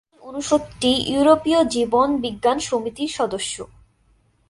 এই অনুষদটি ইউরোপীয় জীবন বিজ্ঞান সমিতির সদস্য।